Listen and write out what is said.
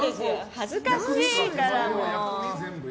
恥ずかしいから、もう！